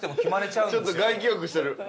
ちょっと外気浴してる。